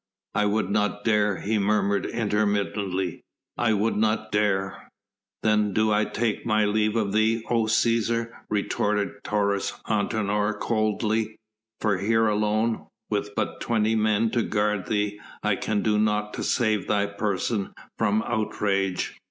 "I would not dare," he murmured intermittently, "I would not dare." "Then do I take my leave of thee, O Cæsar," retorted Taurus Antinor coldly. "For here alone, with but twenty men to guard thee, I can do naught to save thy person from outrage."